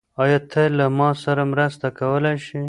آیا ته له ما سره مرسته کولی شې؟